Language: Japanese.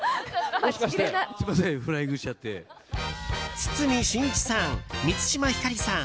堤真一さん、満島ひかりさん